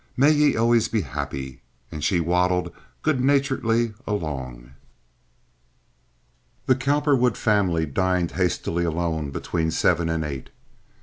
May ye always be happy." And she waddled good naturedly along. The Cowperwood family dined hastily alone between seven and eight.